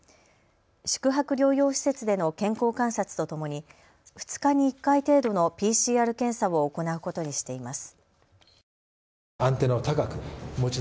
宿泊療養施設での健康観察とともに２日に１回程度のＰＣＲ検査を行うことにしています。